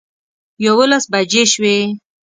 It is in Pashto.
یوولس بجې شوې.